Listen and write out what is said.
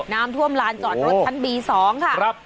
น้ำท่วมลานจอดรถชั้นบี๒ค่ะ